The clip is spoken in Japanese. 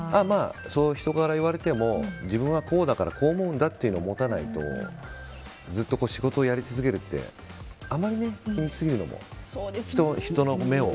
人から言われても自分はこうだからこう思うんだというのを持たないとずっと仕事をやり続けるってあまり気にしすぎるのも人の目を。